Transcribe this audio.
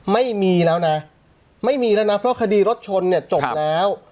ไม่มีแล้วนะไม่มีแล้วนะเพราะคดีรถชนเนี่ยจบแล้ว